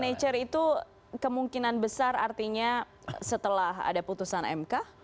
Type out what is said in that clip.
nature itu kemungkinan besar artinya setelah ada putusan mk